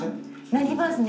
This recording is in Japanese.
なりますね。